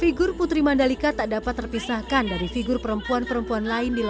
figur putri mandalika tak dapat terpisahkan dari figur perempuan perempuan lain